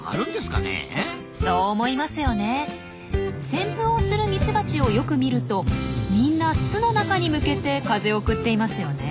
「扇風」をするミツバチをよく見るとみんな巣の中に向けて風を送っていますよね。